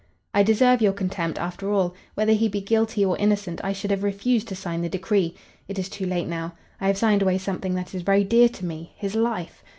"I deserve your contempt, after all. Whether he be guilty or innocent, I should have refused to sign the decree. It is too late now. I have signed away something that is very dear to me, his life.